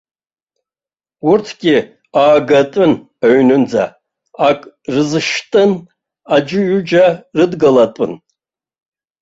Урҭгьы аагатәын аҩнынӡа, ак рызшьтәын, аӡәы-ҩыџьа рыдгалатәын.